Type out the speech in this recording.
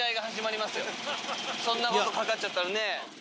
そんなこと懸かっちゃったらね。